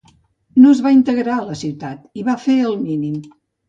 No es va integrar a la ciutat i va fer el mínim